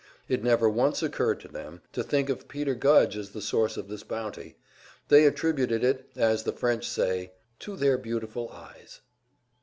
It never once occurred to them to think of Peter Gudge as the source of this bounty. They attributed it, as the French say, "to their beautiful eyes."